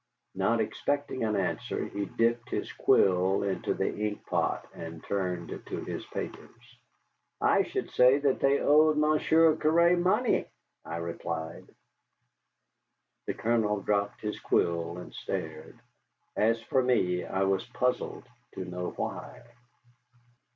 Not expecting an answer, he dipped his quill into the ink pot and turned to his papers. "I should say that they owed Monsieur Cerre money," I replied. The Colonel dropped his quill and stared. As for me, I was puzzled to know why.